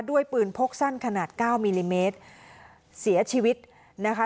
ด้วยปืนพกสั้นขนาดเก้ามิลลิเมตรเสียชีวิตนะคะ